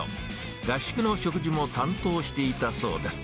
合宿の食事も担当していたそうです。